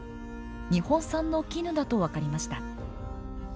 日本産の絹だと分かりました。